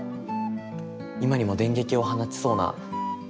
今にも電撃を放ちそうな。